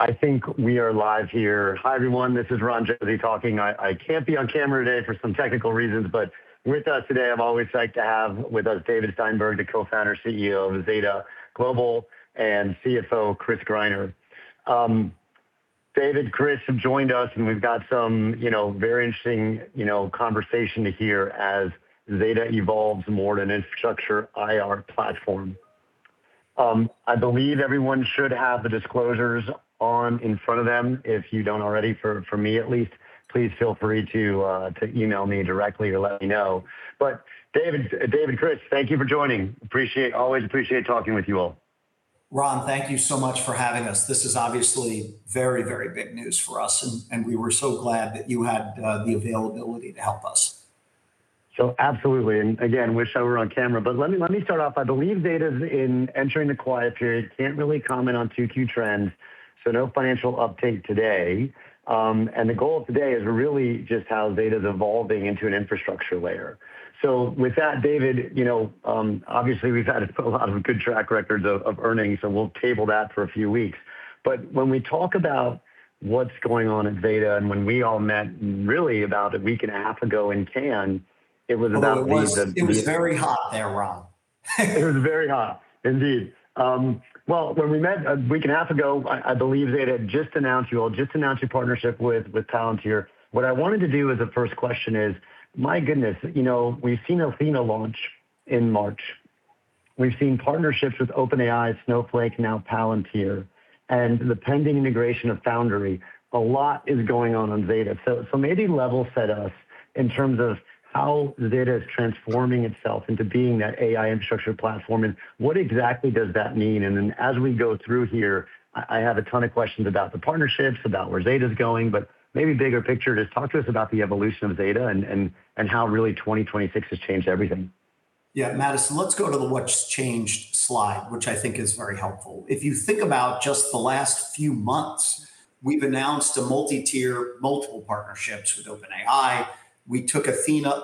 I think we are live here. Hi, everyone, this is Ron Josey talking. I can't be on camera today for some technical reasons, but with us today, I've always liked to have with us David Steinberg, the Co-Founder, CEO of Zeta Global, and CFO, Chris Greiner. David, Chris have joined us, and we've got some very interesting conversation to hear as Zeta evolves more to an infrastructure AI platform. I believe everyone should have the disclosures on in front of them. If you don't already, for me at least, please feel free to email me directly or let me know. David, Chris, thank you for joining. Always appreciate talking with you all. Ron, thank you so much for having us. This is obviously very, very big news for us, and we were so glad that you had the availability to help us. Absolutely, and again, wish I were on camera. Let me start off, I believe Zeta's entering the quiet period, can't really comment on 2Q trends, no financial update today. The goal of today is really just how Zeta's evolving into an infrastructure layer. With that, David, obviously we've had a lot of good track records of earnings, and we'll table that for a few weeks. When we talk about what's going on at Zeta, and when we all met, really about a week and a half ago in Cannes, it was about the- Oh, it was very hot there, Ron. It was very hot, indeed. When we met a week and a half ago, I believe Zeta had just announced, you all just announced your partnership with Palantir. What I wanted to do as the first question is, my goodness, we've seen Athena launch in March. We've seen partnerships with OpenAI, Snowflake, now Palantir, and the pending integration of Foundry. A lot is going on on Zeta. Maybe level set us in terms of how Zeta is transforming itself into being that AI infrastructure platform, and what exactly does that mean? As we go through here, I have a ton of questions about the partnerships, about where Zeta's going, but maybe bigger picture, just talk to us about the evolution of Zeta and how really 2026 has changed everything. Madison, let's go to the what's changed slide, which I think is very helpful. If you think about just the last few months, we've announced a multi-tier, multiple partnerships with OpenAI. We took Athena,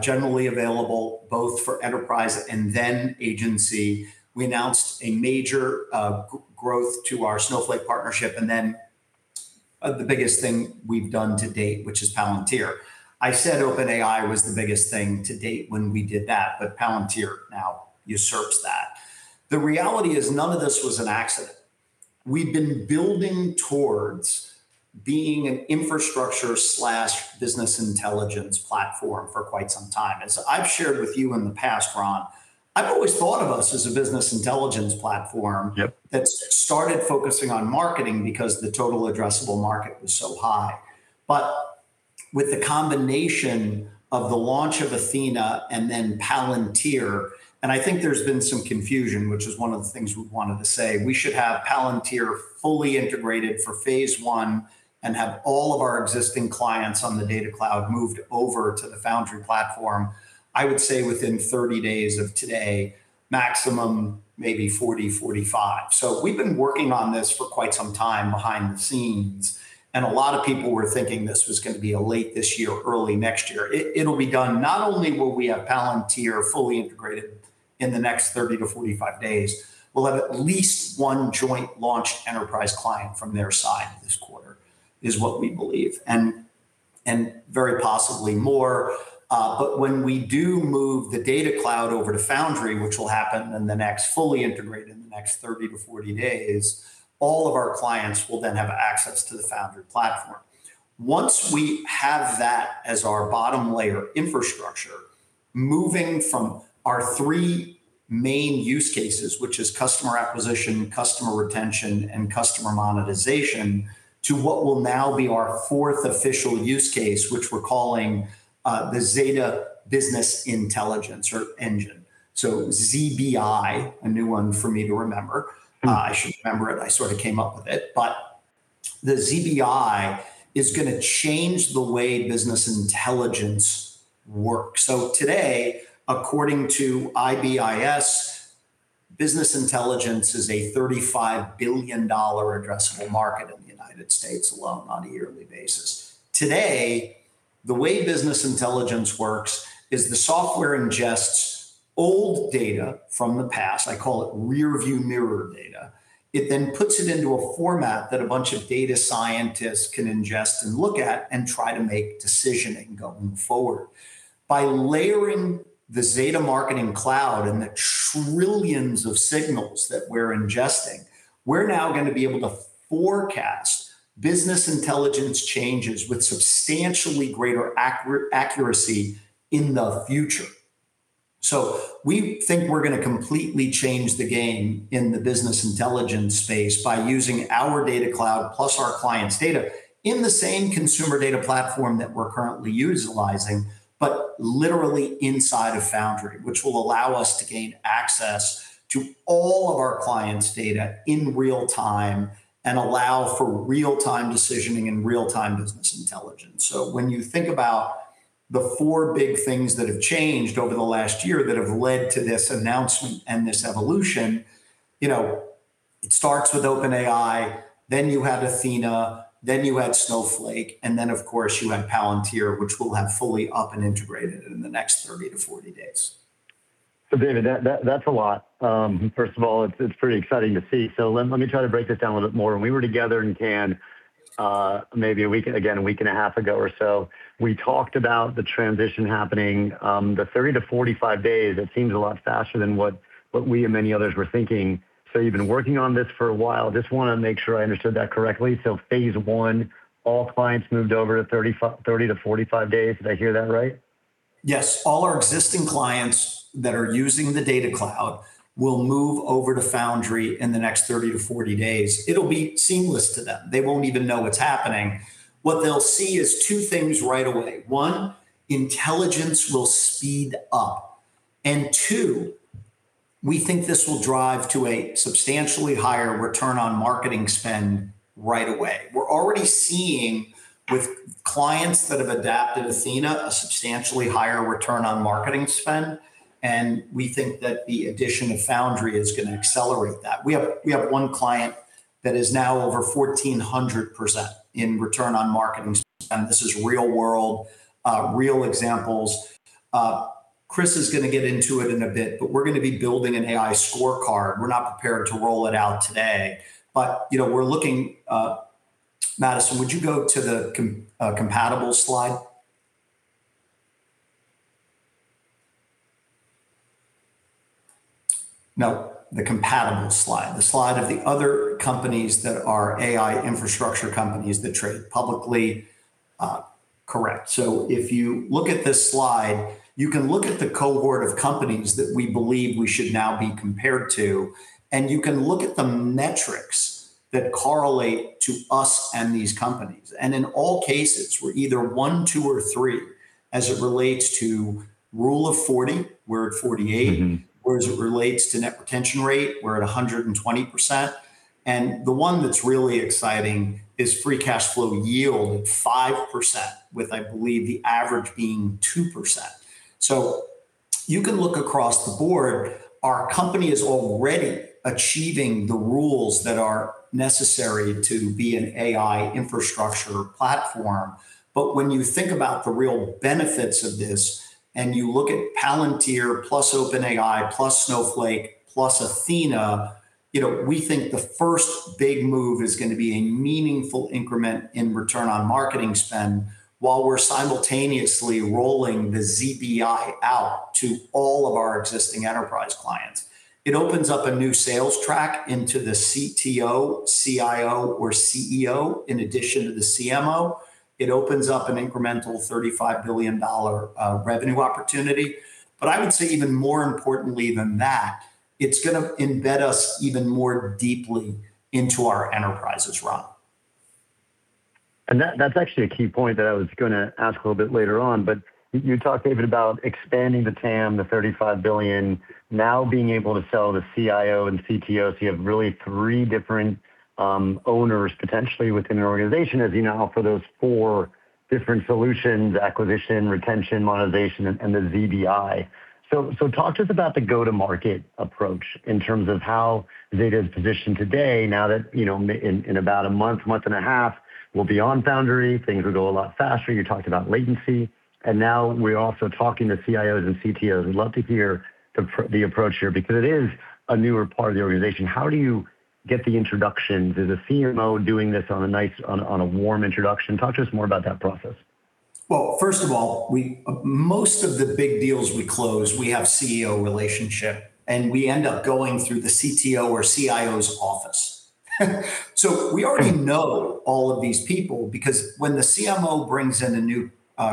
generally available both for enterprise and then agency. We announced a major growth to our Snowflake partnership, the biggest thing we've done to date, which is Palantir. I said OpenAI was the biggest thing to date when we did that, Palantir now usurps that. The reality is none of this was an accident. We've been building towards being an infrastructure/business intelligence platform for quite some time. As I've shared with you in the past, Ron, I've always thought of us as a business intelligence platform. Yep That started focusing on marketing because the total addressable market was so high. With the combination of the launch of Athena and Palantir, and I think there's been some confusion, which is one of the things we wanted to say, we should have Palantir fully integrated for phase I and have all of our existing clients on the Data Cloud moved over to the Foundry platform, I would say within 30 days of today, maximum maybe 40, 45. We've been working on this for quite some time behind the scenes, and a lot of people were thinking this was going to be a late this year, early next year. It'll be done, not only will we have Palantir fully integrated in the next 30 - 45 days, we'll have at least one joint launched enterprise client from their side this quarter, is what we believe. Very possibly more. When we do move the Data Cloud over to Foundry, which will happen in the next, fully integrated, in the next 30 - 40 days, all of our clients will then have access to the Foundry platform. Once we have that as our bottom layer infrastructure, moving from our three main use cases, which is customer acquisition, customer retention, and customer monetization, to what will now be our fourth official use case, which we're calling the Zeta Business Intelligence or Engine. ZBI, a new one for me to remember. I should remember it, I sort of came up with it. The ZBI is going to change the way business intelligence works. Today, according to IBIS, business intelligence is a $35 billion addressable market in the U.S. alone on a yearly basis. Today, the way business intelligence works is the software ingests old data from the past, I call it rear view mirror data. It then puts it into a format that a bunch of data scientists can ingest and look at and try to make decisioning going forward. By layering the Zeta Marketing Cloud and the trillions of signals that we're ingesting, we're now going to be able to forecast business intelligence changes with substantially greater accuracy in the future. We think we're going to completely change the game in the business intelligence space by using our Data Cloud plus our clients' data in the same consumer data platform that we're currently utilizing, but literally inside of Foundry, which will allow us to gain access to all of our clients' data in real time and allow for real-time decisioning and real-time business intelligence. When you think about the four big things that have changed over the last year that have led to this announcement and this evolution, it starts with OpenAI, then you had Athena, then you had Snowflake, and then of course you had Palantir, which we'll have fully up and integrated in the next 30 - 40 days. David, that's a lot. First of all, it's pretty exciting to see. Let me try to break this down a little bit more. When we were together in Cannes maybe again, a week and a half ago or so, we talked about the transition happening, the 30 - 45 days. It seems a lot faster than what we and many others were thinking. You've been working on this for a while. Just want to make sure I understood that correctly. Phase one, all clients moved over to 30 - 45 days. Did I hear that right? Yes. All our existing clients that are using the Data Cloud will move over to Foundry in the next 30 - 40 days. It'll be seamless to them. They won't even know it's happening. What they'll see is two things right away. One, intelligence will speed up. Two, we think this will drive to a substantially higher return on marketing spend right away. We're already seeing with clients that have adapted Athena, a substantially higher return on marketing spend, and we think that the addition of Foundry is going to accelerate that. We have one client that is now over 1,400% in return on marketing spend. This is real-world, real examples. Chris is going to get into it in a bit, but we're going to be building an AI scorecard. We're not prepared to roll it out today. Madison, would you go to the compatible slide? No, the compatible slide, the slide of the other companies that are AI infrastructure companies that trade publicly. Correct. If you look at this slide, you can look at the cohort of companies that we believe we should now be compared to, and you can look at the metrics that correlate to us and these companies. In all cases, we're either one, two, or three as it relates to rule of 40, we're at 48. As it relates to net retention rate, we're at 120%. The one that's really exciting is free cash flow yield at five percent, with, I believe, the average being two percent. You can look across the board. Our company is already achieving the rules that are necessary to be an AI infrastructure platform. When you think about the real benefits of this, and you look at Palantir plus OpenAI, plus Snowflake, plus Athena, we think the first big move is going to be a meaningful increment in return on marketing spend while we're simultaneously rolling the ZBI out to all of our existing enterprise clients. It opens up a new sales track into the CTO, CIO, or CEO, in addition to the CMO. It opens up an incremental $35 billion revenue opportunity. I would say even more importantly than that, it's going to embed us even more deeply into our enterprises, Ron. That's actually a key point that I was going to ask a little bit later on. You talked, David, about expanding the TAM to $35 billion, now being able to sell to CIO and CTOs. You have really three different owners potentially within an organization, as you now offer those four different solutions, acquisition, retention, monetization, and the ZBI. Talk to us about the go-to market approach in terms of how Zeta is positioned today, now that in about a month and a half, will be on Foundry, things will go a lot faster. You talked about latency, and now we're also talking to CIOs and CTOs. We'd love to hear the approach here because it is a newer part of the organization. How do you get the introduction? Does the CMO doing this on a warm introduction? Talk to us more about that process. Well, first of all, most of the big deals we close, we have CEO relationship, and we end up going through the CTO or CIO's office. We already know all of these people because when the CMO brings in a new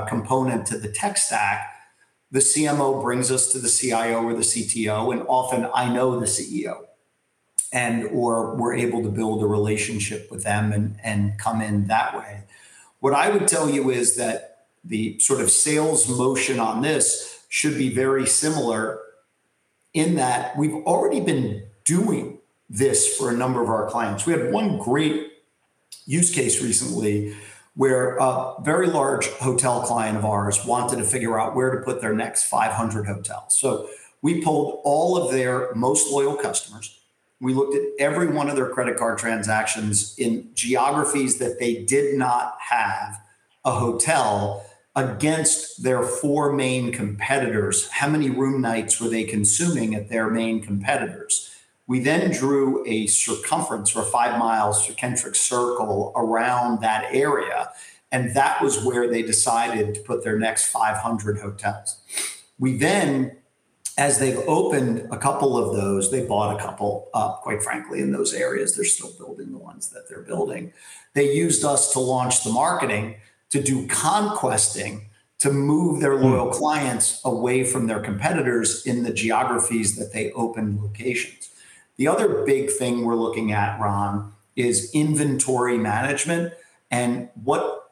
component to the tech stack, the CMO brings us to the CIO or the CTO, and often I know the CEO, and/or we're able to build a relationship with them and come in that way. What I would tell you is that the sort of sales motion on this should be very similar in that we've already been doing this for a number of our clients. We had one great use case recently where a very large hotel client of ours wanted to figure out where to put their next 500 hotels. We pulled all of their most loyal customers, we looked at every one of their credit card transactions in geographies that they did not have a hotel against their four main competitors. How many room nights were they consuming at their main competitors? We drew a circumference, or a five-mile centric circle, around that area, and that was where they decided to put their next 500 hotels. As they've opened a couple of those, they bought a couple, quite frankly, in those areas, they're still building the ones that they're building. They used us to launch the marketing to do conquesting to move their loyal clients away from their competitors in the geographies that they opened locations. The other big thing we're looking at, Ron Josey, is inventory management and what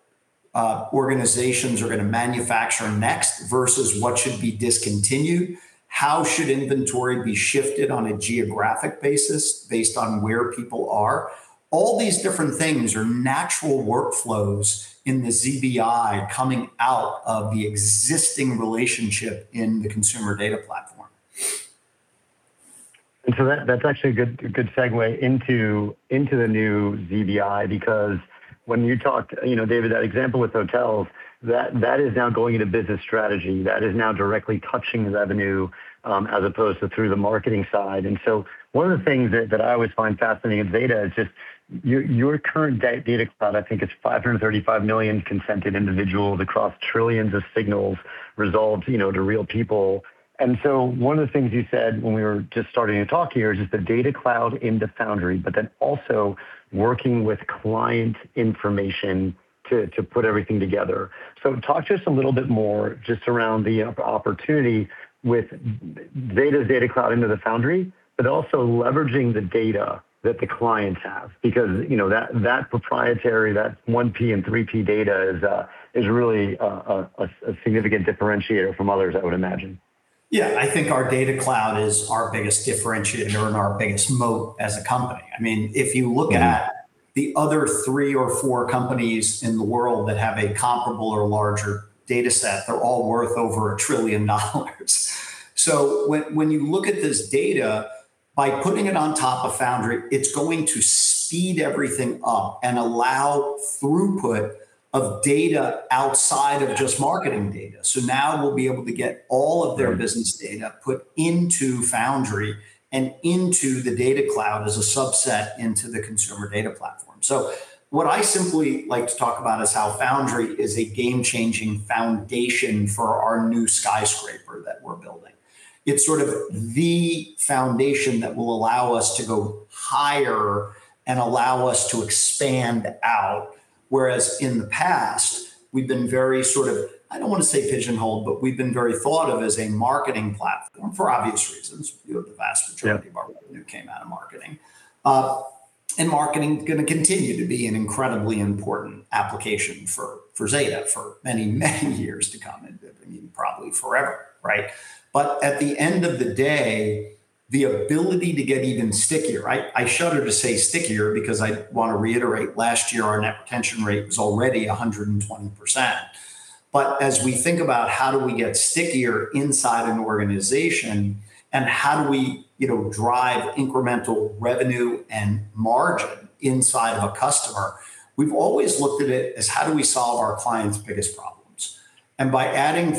organizations are going to manufacture next versus what should be discontinued. How should inventory be shifted on a geographic basis based on where people are? All these different things are natural workflows in the ZBI coming out of the existing relationship in the consumer data platform. That's actually a good segue into the new ZBI, because when you talked, David, that example with hotels, that is now going into business strategy. That is now directly touching the revenue, as opposed to through the marketing side. One of the things that I always find fascinating in Zeta is just your current data cloud, I think it's 535 million consented individuals across trillions of signals resolved to real people. One of the things you said when we were just starting to talk here is just the Data Cloud into Foundry, also working with client information to put everything together. Talk to us a little bit more just around the opportunity with Zeta's Data Cloud into the Foundry, but also leveraging the data that the clients have, because that proprietary, that 1P and 3P data is really a significant differentiator from others, I would imagine. I think our Data Cloud is our biggest differentiator and our biggest moat as a company. If you look at the other three or four companies in the world that have a comparable or larger data set, they're all worth over $1 trillion. When you look at this data, by putting it on top of Foundry, it's going to speed everything up and allow throughput of data outside of just marketing data. Now we'll be able to get all of their business data put into Foundry and into the Data Cloud as a subset into the consumer data platform. What I simply like to talk about is how Foundry is a game-changing foundation for our new skyscraper that we're building. It's sort of the foundation that will allow us to go higher and allow us to expand out. Whereas in the past, we've been very, sort of, I don't want to say pigeonholed, but we've been very thought of as a marketing platform for obvious reasons. The vast majority. Yeah Of our revenue came out of marketing. Marketing's going to continue to be an incredibly important application for Zeta for many, many years to come, and probably forever, right? At the end of the day, the ability to get even stickier, I shudder to say stickier because I want to reiterate, last year our net retention rate was already 120%. As we think about how do we get stickier inside an organization, and how do we drive incremental revenue and margin inside of a customer, we've always looked at it as how do we solve our clients' biggest problems? By adding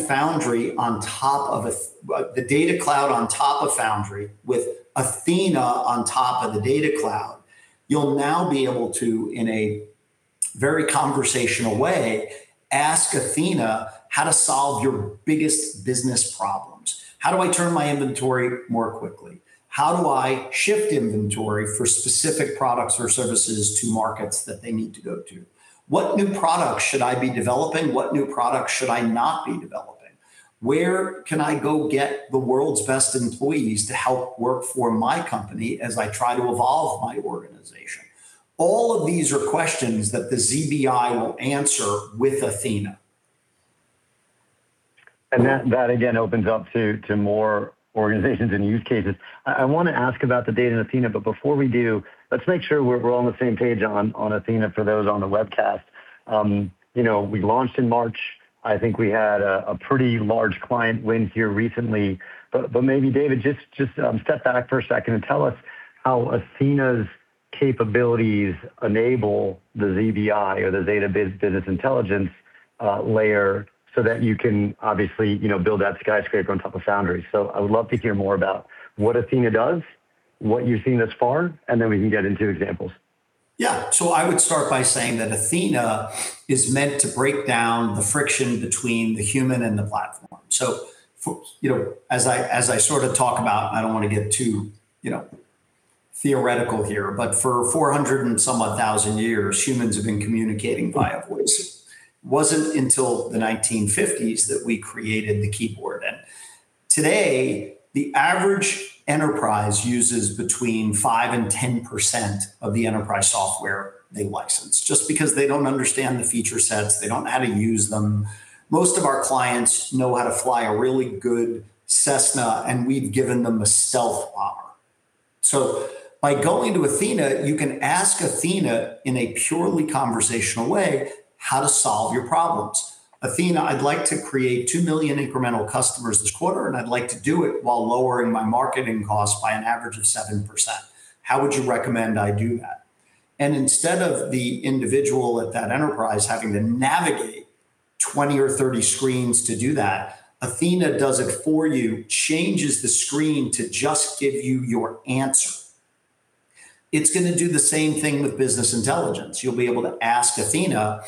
the Data Cloud on top of Foundry, with Athena on top of the Data Cloud, you'll now be able to, in a very conversational way, ask Athena how to solve your biggest business problems. How do I turn my inventory more quickly? How do I shift inventory for specific products or services to markets that they need to go to? What new products should I be developing? What new products should I not be developing? Where can I go get the world's best employees to help work for my company as I try to evolve my organization? All of these are questions that the ZBI will answer with Athena. That, again, opens up to more organizations and use cases. I want to ask about the data in Athena, before we do, let's make sure we're all on the same page on Athena for those on the webcast. We launched in March. I think we had a pretty large client win here recently. Maybe David, just step back for a second and tell us how Athena's capabilities enable the ZBI or the Zeta Business Intelligence layer so that you can obviously build that skyscraper on top of Foundry. I would love to hear more about what Athena does, what you've seen thus far, and then we can get into examples. Yeah. I would start by saying that Athena is meant to break down the friction between the human and the platform. As I sort of talk about, I don't want to get too theoretical here, but for 400 and some odd thousand years, humans have been communicating via voice. It wasn't until the 1950s that we created the keyboard, and today, the average enterprise uses between five percent and 10% of the enterprise software they license, just because they don't understand the feature sets, they don't know how to use them. Most of our clients know how to fly a really good Cessna, and we've given them a stealth bomber. By going to Athena, you can ask Athena in a purely conversational way how to solve your problems. Athena, I'd like to create 2 million incremental customers this quarter, and I'd like to do it while lowering my marketing cost by an average of seven percent. How would you recommend I do that?" Instead of the individual at that enterprise having to navigate 20 or 30 screens to do that, Athena does it for you, changes the screen to just give you your answer. It's going to do the same thing with business intelligence. You'll be able to ask Athena,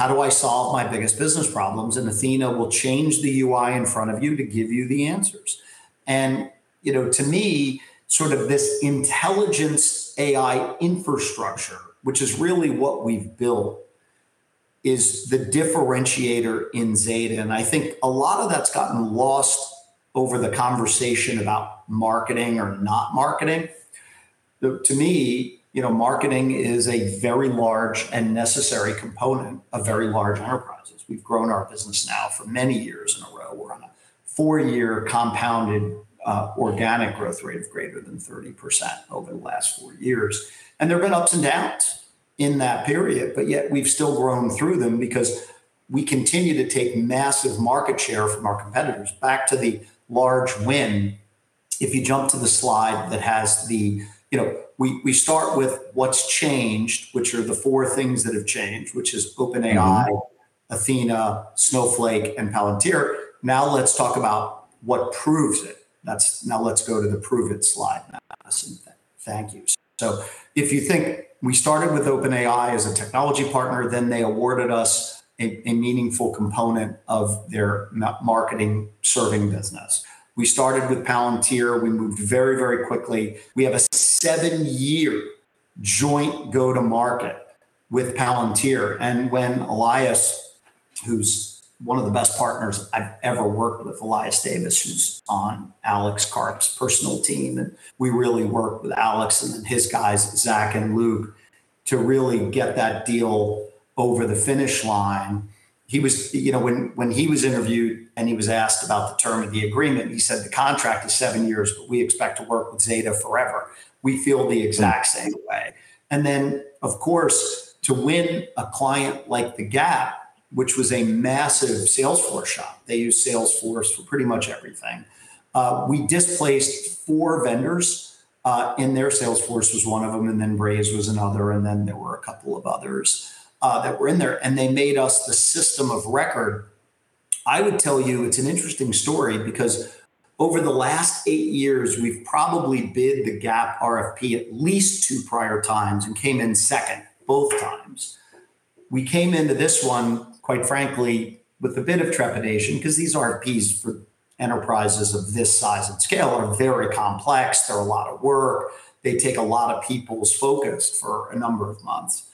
"How do I solve my biggest business problems?" Athena will change the UI in front of you to give you the answers. To me, sort of this intelligence AI infrastructure, which is really what we've built, is the differentiator in Zeta, and I think a lot of that's gotten lost over the conversation about marketing or not marketing. To me, marketing is a very large and necessary component of very large enterprises. We've grown our business now for many years in a row. We're on a four-year compounded organic growth rate of greater than 30% over the last four years. There have been ups and downs in that period, but yet we've still grown through them. We continue to take massive market share from our competitors. Back to the large win, if you jump to the slide that has We start with what's changed, which are the four things that have changed, which is OpenAI, Athena, Snowflake, and Palantir. Now let's talk about what proves it. Now let's go to the prove it slide, Madison. Thank you. If you think we started with OpenAI as a technology partner, then they awarded us a meaningful component of their marketing serving business. We started with Palantir. We moved very, very quickly. We have a seven-year joint go-to-market with Palantir, and when Elias, who's one of the best partners I've ever worked with, Elias Davis, who's on Alex Karp's personal team, and we really worked with Alex and then his guys, Zach and Luke, to really get that deal over the finish line. When he was interviewed and he was asked about the term of the agreement, he said the contract is seven years, but we expect to work with Zeta forever. We feel the exact same way. Then, of course, to win a client like The Gap, which was a massive Salesforce shop, they used Salesforce for pretty much everything. We displaced four vendors, and their Salesforce was one of them, and Braze was another, and there were a couple of others that were in there. They made us the system of record. I would tell you it's an interesting story because over the last eight years, we've probably bid The Gap RFP at least two prior times and came in second both times. We came into this one, quite frankly, with a bit of trepidation because these RFPs for enterprises of this size and scale are very complex. They're a lot of work. They take a lot of people's focus for a number of months.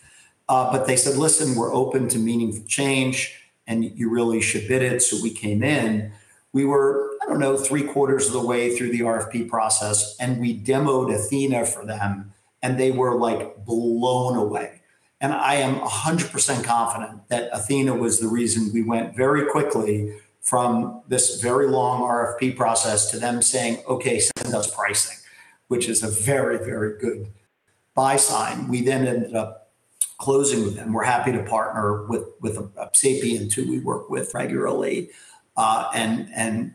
They said, "Listen, we're open to meaningful change, and you really should bid it." We came in, we were, I don't know, three-quarters of the way through the RFP process, and we demoed Athena for them, and they were blown away. I am 100% confident that Athena was the reason we went very quickly from this very long RFP process to them saying, "Okay, send us pricing," which is a very, very good buy sign. We ended up closing with them. We're happy to partner with Publicis Sapient who we work with regularly, and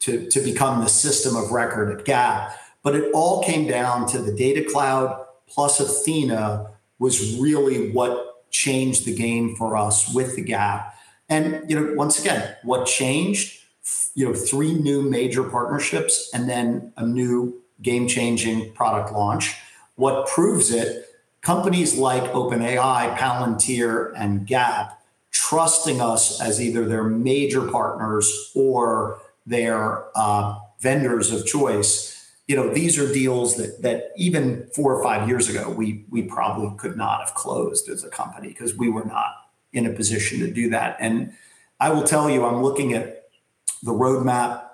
to become the system of record at Gap. It all came down to the Data Cloud plus Athena was really what changed the game for us with The Gap. Once again, what changed? Three new major partnerships and a new game-changing product launch. What proves it? Companies like OpenAI, Palantir, and Gap trusting us as either their major partners or their vendors of choice. These are deals that even four or five years ago, we probably could not have closed as a company because we were not in a position to do that. I will tell you, I'm looking at the roadmap,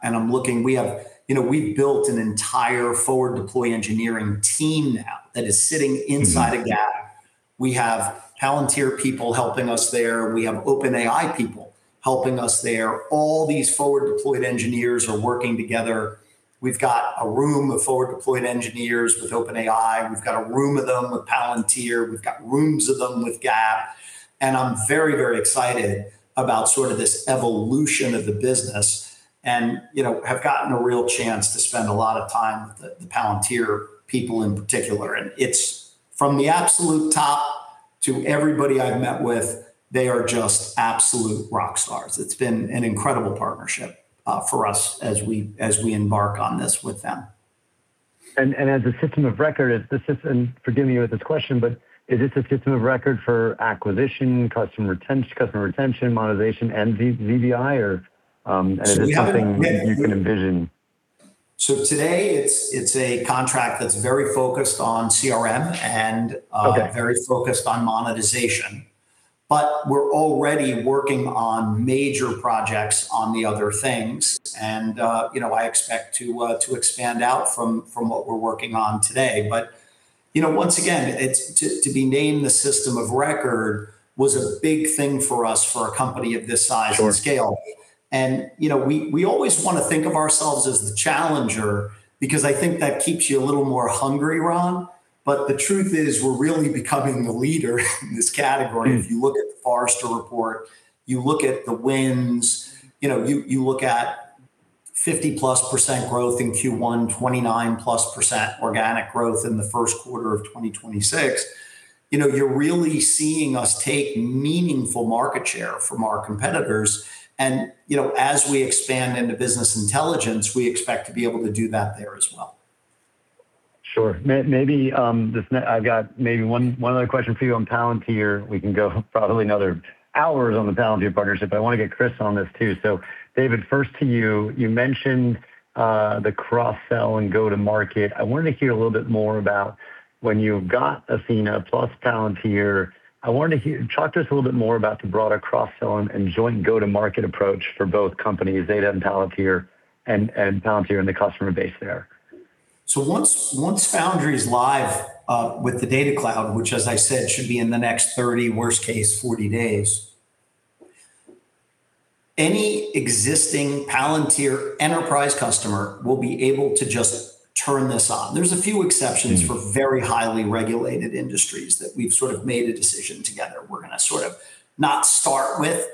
we've built an entire forward-deploy engineering team now that is sitting inside of Gap. We have Palantir people helping us there. We have OpenAI people helping us there. All these forward-deployed engineers are working together. We've got a room of forward-deployed engineers with OpenAI. We've got a room of them with Palantir. We've got rooms of them with Gap, I'm very, very excited about this evolution of the business, and have gotten a real chance to spend a lot of time with the Palantir people in particular. It's from the absolute top to everybody I've met with, they are just absolute rock stars. It's been an incredible partnership for us as we embark on this with them. As a system of record, is this a system of record for acquisition, customer retention, monetization, and ZBI, or is this something you can envision? Today, it's a contract that's very focused on CRM. Okay very focused on monetization. We're already working on major projects on the other things, and I expect to expand out from what we're working on today. Once again, to be named the system of record was a big thing for us for a company of this size and scale. Sure. We always want to think of ourselves as the challenger because I think that keeps you a little more hungry, Ron. The truth is, we're really becoming the leader in this category. If you look at the Forrester report, you look at the wins, you look at 50%+ growth in Q1, 29%+ organic growth in the first quarter of 2026. You're really seeing us take meaningful market share from our competitors, and as we expand into business intelligence, we expect to be able to do that there as well. Sure. I've got maybe one other question for you on Palantir. We can go probably another hour on the Palantir partnership. I want to get Chris on this too. David, first to you. You mentioned the cross-sell and go to market. I wanted to hear a little bit more about when you got Athena plus Palantir. Talk to us a little bit more about the broader cross-sell and joint go-to-market approach for both companies, Zeta and Palantir and the customer base there. Once Foundry's live with the Data Cloud, which as I said, should be in the next 30, worst case, 40 days. Any existing Palantir enterprise customer will be able to just turn this on. There's a few exceptions. These are for very highly regulated industries that we've sort of made a decision together we're going to sort of not start with.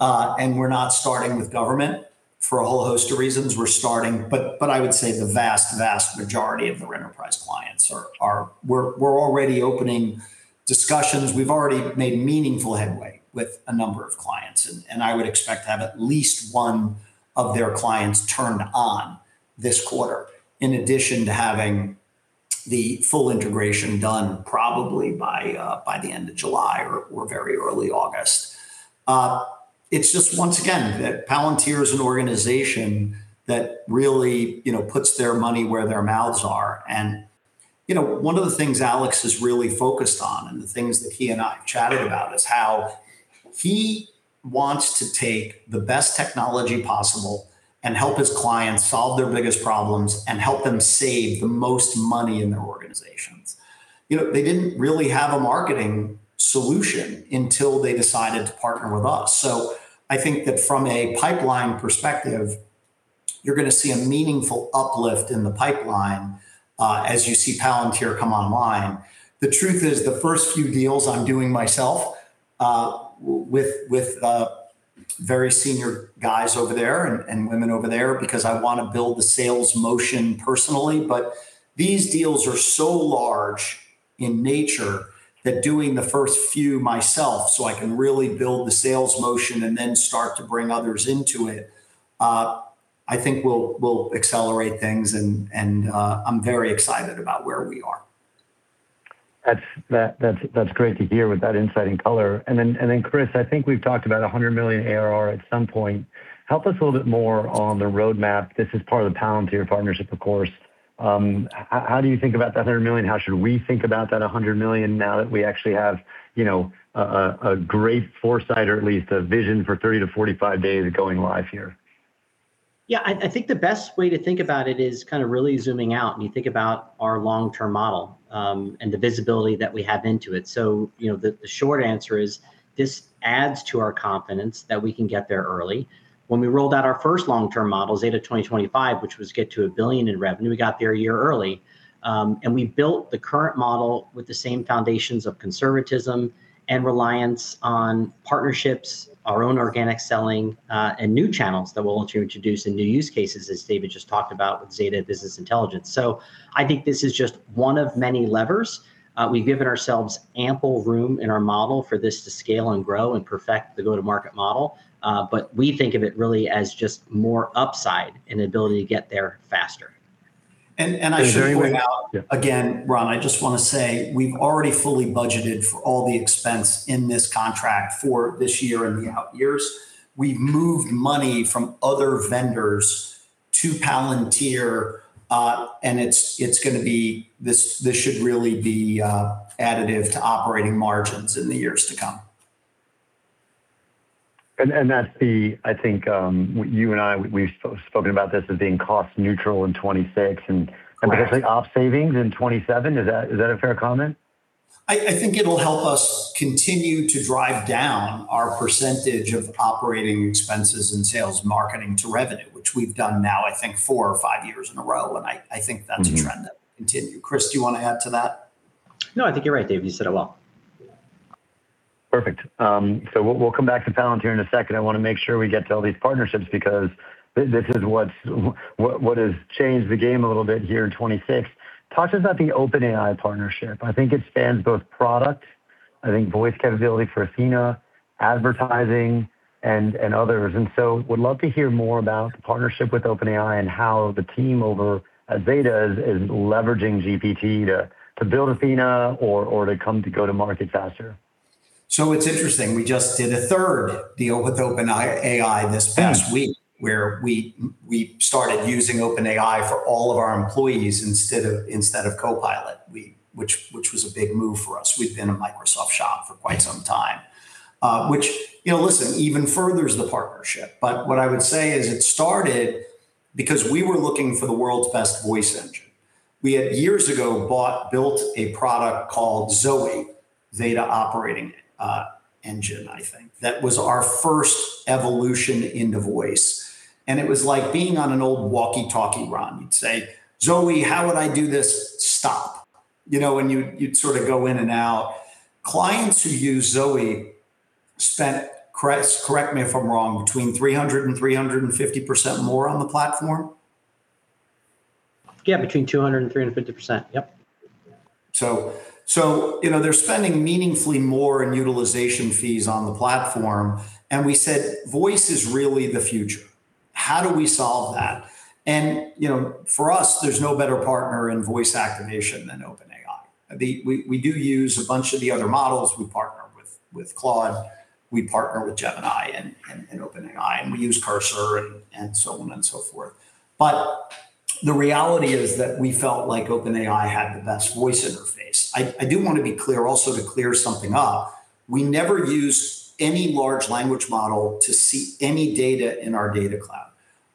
We're not starting with government for a whole host of reasons. I would say the vast majority of our enterprise clients are. We're already opening discussions. We've already made meaningful headway with a number of clients, and I would expect to have at least one of their clients turned on this quarter, in addition to having the full integration done probably by the end of July or very early August. It's just, once again, that Palantir is an organization that really puts their money where their mouths are. One of the things Alex is really focused on, and the things that he and I have chatted about, is how he wants to take the best technology possible and help his clients solve their biggest problems and help them save the most money in their organizations. They didn't really have a marketing solution until they decided to partner with us. I think that from a pipeline perspective, you're going to see a meaningful uplift in the pipeline, as you see Palantir come online. The truth is, the first few deals I'm doing myself, with very senior guys over there, and women over there, because I want to build the sales motion personally. These deals are so large in nature that doing the first few myself, so I can really build the sales motion and then start to bring others into it, I think will accelerate things and I'm very excited about where we are. That's great to hear with that insight and color. Chris, I think we've talked about $100 million ARR at some point. Help us a little bit more on the roadmap. This is part of the Palantir partnership, of course. How do you think about that $100 million? How should we think about that $100 million now that we actually have a great foresight or at least a vision for 30 - 45 days going live here? I think the best way to think about it is kind of really zooming out and you think about our long-term model, and the visibility that we have into it. The short answer is this adds to our confidence that we can get there early. When we rolled out our first long-term models, Zeta 2025, which was get to $1 billion in revenue, we got there a year early. We built the current model with the same foundations of conservatism and reliance on partnerships, our own organic selling, and new channels that we'll introduce, and new use cases, as David just talked about with Zeta Business Intelligence. I think this is just one of many levers. We've given ourselves ample room in our model for this to scale and grow and perfect the go-to-market model. We think of it really as just more upside and ability to get there faster. Is there any way? I should point out again, Ron, I just want to say we've already fully budgeted for all the expense in this contract for this year and the out years. We've moved money from other vendors to Palantir, and this should really be additive to operating margins in the years to come. That's the, I think, you and I, we've spoken about this as being cost neutral in 2026. Correct potentially op savings in 2027. Is that a fair comment? I think it'll help us continue to drive down our percentage of operating expenses and sales marketing to revenue, which we've done now, I think four or five years in a row, and I think that's a trend. That will continue. Chris, do you want to add to that? No, I think you're right, Dave. You said it well. Perfect. We'll come back to Palantir in a second. I want to make sure we get to all these partnerships because this is what has changed the game a little bit here in 2026. Talk to us about the OpenAI partnership. I think it spans both product, I think voice capability for Athena, advertising, and others. Would love to hear more about the partnership with OpenAI and how the team over at Zeta is leveraging GPT to build Athena or to come to go to market faster. It's interesting. We just did a third deal with OpenAI this past week, where we started using OpenAI for all of our employees instead of Copilot, which was a big move for us. We've been a Microsoft shop for quite some time. Which, listen, even furthers the partnership. What I would say is it started because we were looking for the world's best voice engine. We had years ago built a product called Zoe, Zeta Opportunity Engine, I think. That was our first evolution into voice, and it was like being on an old walkie-talkie, Ron. You'd say, "Zoe, how would I do this? Stop." You'd sort of go in and out. Clients who use Zoe spent, Chris, correct me if I'm wrong, between 300%-350% more on the platform? Yeah, between 200%-350%. Yep. They're spending meaningfully more in utilization fees on the platform, we said voice is really the future. How do we solve that? For us, there's no better partner in voice activation than OpenAI. We do use a bunch of the other models. We partner with Claude, we partner with Gemini and OpenAI, and we use Cursor and so on and so forth. The reality is that we felt like OpenAI had the best voice interface. I do want to be clear, also to clear something up, we never use any large language model to see any data in our data cloud.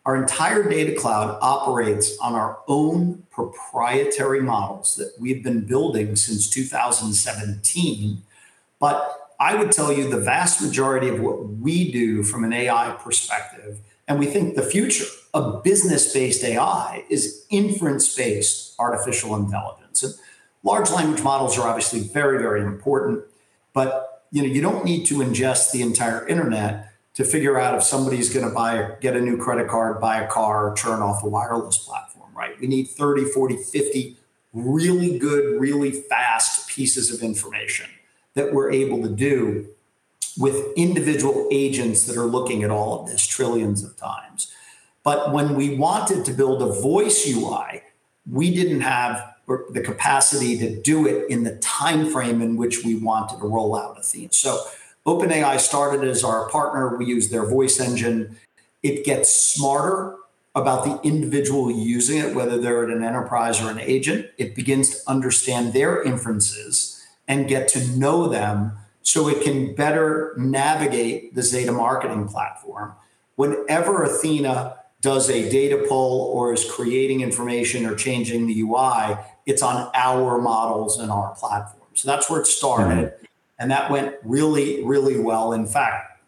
Our entire data cloud operates on our own proprietary models that we've been building since 2017. I would tell you the vast majority of what we do from an AI perspective, and we think the future of business-based AI, is inference-based artificial intelligence. Large language models are obviously very, very important, but you don't need to ingest the entire internet to figure out if somebody's going to get a new credit card, buy a car, or turn off a wireless platform, right? We need 30, 40, 50 really good, really fast pieces of information that we're able to do with individual agents that are looking at all of this trillions of times. When we wanted to build a voice UI, we didn't have the capacity to do it in the timeframe in which we wanted to roll out Athena. OpenAI started as our partner. We use their voice engine. It gets smarter about the individual using it, whether they're at an enterprise or an agent. It begins to understand their inferences and get to know them so it can better navigate the Zeta Marketing Platform. Whenever Athena does a data pull or is creating information or changing the UI, it's on our models and our platform. That's where it started. Right. That went really, really well. In fact,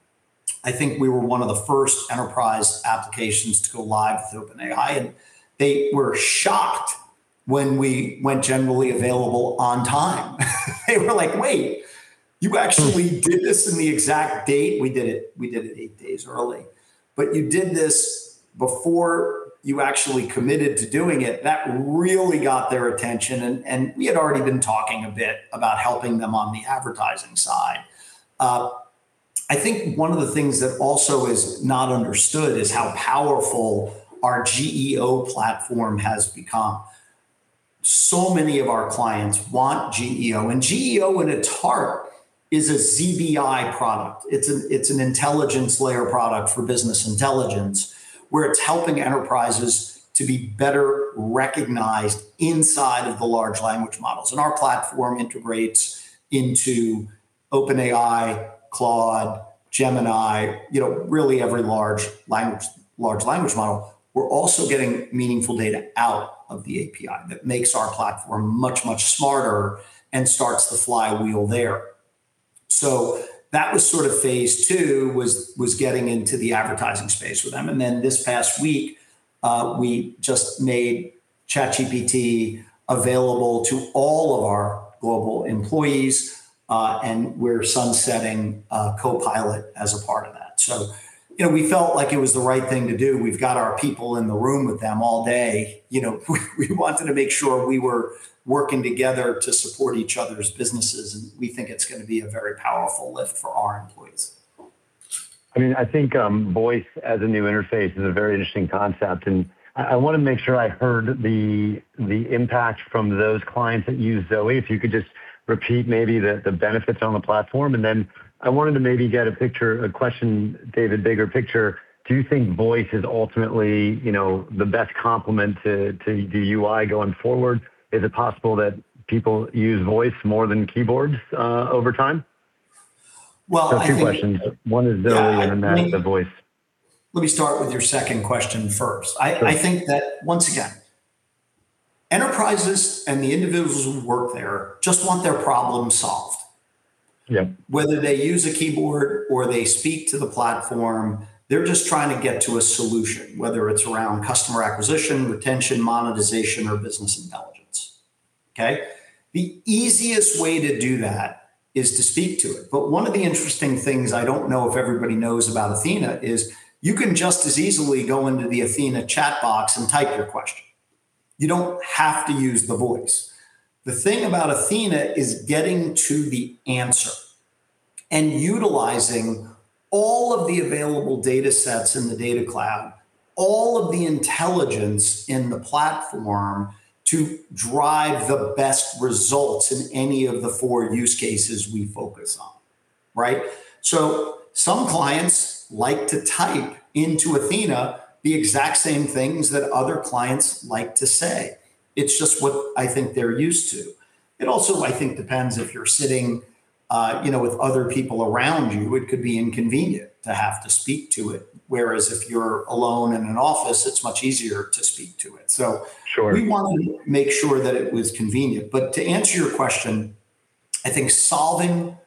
I think we were one of the first enterprise applications to go live with OpenAI, and they were shocked when we went generally available on time. They were like, "Wait, you actually did this on the exact date?" We did it eight days early. "You did this before you actually committed to doing it." That really got their attention, and we had already been talking a bit about helping them on the advertising side. I think one of the things that also is not understood is how powerful our GEO platform has become. Many of our clients want GEO, and GEO, at its heart, is a ZBI product. It's an intelligence layer product for business intelligence, where it's helping enterprises to be better recognized inside of the large language models. Our platform integrates into OpenAI, Claude, Gemini, really every large language model. We're also getting meaningful data out of the API that makes our platform much, much smarter and starts the flywheel there. That was phase two, was getting into the advertising space with them. This past week, we just made ChatGPT available to all of our global employees, and we're sunsetting Copilot as a part of that. We felt like it was the right thing to do. We've got our people in the room with them all day. We wanted to make sure we were working together to support each other's businesses, and we think it's going to be a very powerful lift for our employees. I think voice as a new interface is a very interesting concept. I want to make sure I heard the impact from those clients that use Zoe. If you could just repeat maybe the benefits on the platform, I wanted to maybe get a question, David, bigger picture. Do you think voice is ultimately the best complement to the UI going forward? Is it possible that people use voice more than keyboards over time? Well, I think- Two questions. One is Zoe, the other voice. Let me start with your second question first. I think that, once again, enterprises and the individuals who work there just want their problem solved. Yeah. Whether they use a keyboard or they speak to the platform, they're just trying to get to a solution, whether it's around customer acquisition, retention, monetization, or business intelligence. Okay. One of the interesting things, I don't know if everybody knows about Athena is, you can just as easily go into the Athena chat box and type your question. You don't have to use the voice. The thing about Athena is getting to the answer and utilizing all of the available data sets in the Data Cloud, all of the intelligence in the platform to drive the best results in any of the four use cases we focus on. Right. Some clients like to type into Athena the exact same things that other clients like to say. It's just what I think they're used to. It also, I think, depends if you're sitting with other people around you, it could be inconvenient to have to speak to it. Whereas if you're alone in an office, it's much easier to speak to it. Sure We want to make sure that it was convenient. To answer your question, I think solving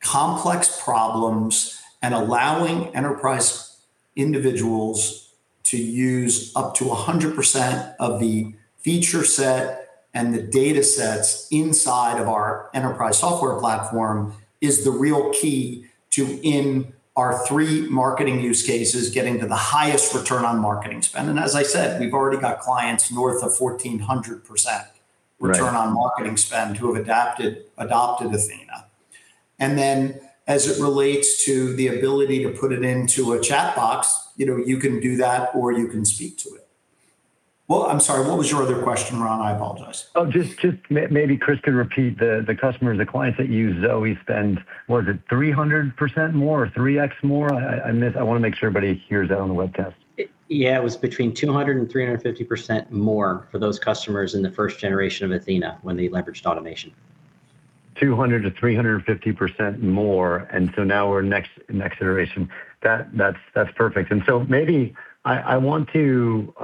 complex problems and allowing enterprise individuals to use up to 100% of the feature set and the data sets inside of our enterprise software platform is the real key to, in our three marketing use cases, getting to the highest return on marketing spend. As I said, we've already got clients north of 1,400%. Right return on marketing spend who have adopted Athena. As it relates to the ability to put it into a chat box, you can do that or you can speak to it. I'm sorry, what was your other question, Ron? I apologize. Oh, just maybe Chris could repeat the customers, the clients that use Zoe spend, what is it, 300% more or 3x more? I missed. I want to make sure everybody hears that on the webcast. Yeah, it was between 200% and 350% more for those customers in the first generation of Athena when they leveraged automation. 200%-350% more, now we're next iteration. That's perfect. Maybe I want to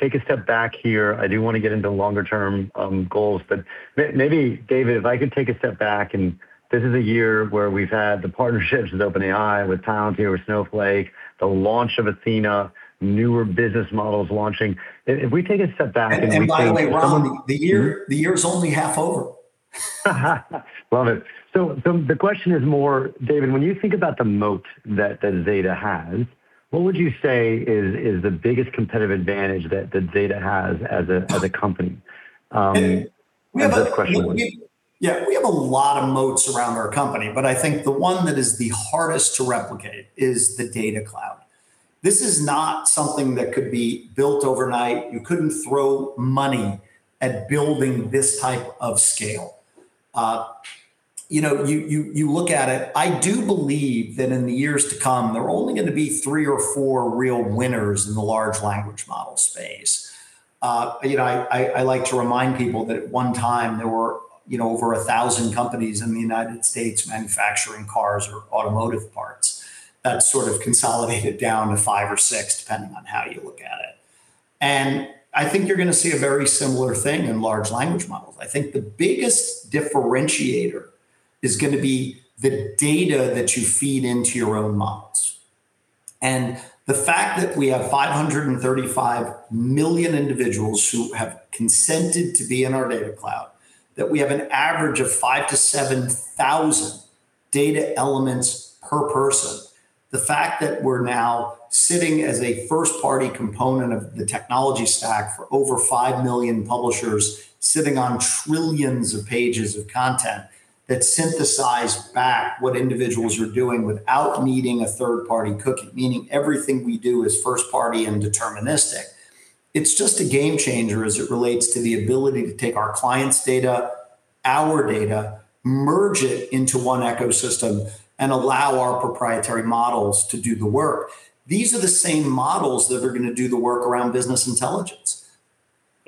take a step back here. I do want to get into longer term goals, but maybe, David, if I could take a step back, this is a year where we've had the partnerships with OpenAI, with Palantir, with Snowflake, the launch of Athena, newer business models launching. By the way, Ron, the year's only half over. Love it. The question is more, David, when you think about the moat that Zeta has, what would you say is the biggest competitive advantage that Zeta has as a company? Yeah. That's the question. Yeah. We have a lot of moats around our company, but I think the one that is the hardest to replicate is the Data Cloud. This is not something that could be built overnight. You couldn't throw money at building this type of scale. You look at it, I do believe that in the years to come, there are only going to be three or four real winners in the large language model space. I like to remind people that at one time there were over 1,000 companies in the U.S. manufacturing cars or automotive parts. That sort of consolidated down to five or six, depending on how you look at it. I think you're going to see a very similar thing in large language models. I think the biggest differentiator is going to be the data that you feed into your own models. The fact that we have 535 million individuals who have consented to be in our Data Cloud, that we have an average of 5,000 - 7,000 data elements per person. The fact that we're now sitting as a first-party component of the technology stack for over five million publishers, sitting on trillions of pages of content that synthesize back what individuals are doing without needing a third-party cookie, meaning everything we do is first-party and deterministic. It's just a game changer as it relates to the ability to take our clients' data, our data, merge it into one ecosystem, and allow our proprietary models to do the work. These are the same models that are going to do the work around business intelligence.